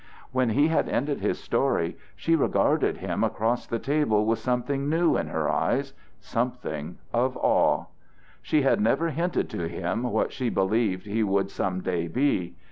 When he had ended his story she regarded him across the table with something new in her eyes something of awe. She had never hinted to him what she believed he would some day be.